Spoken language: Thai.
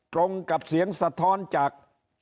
ตรงกับเสียงสะท้อนจาก